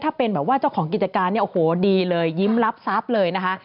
ถ้าเป็นเจ้าของกิจการโอ้โหดีเลยยิ้มลับซับเลยนะคะ